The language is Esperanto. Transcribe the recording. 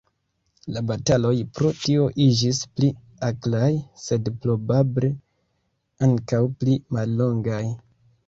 La bataloj pro tio iĝis pli akraj, sed probable ankaŭ pli mallongaj.